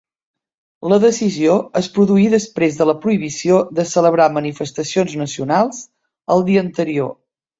La decisió es produí després de la prohibició de celebrar manifestacions nacionals el dia anterior.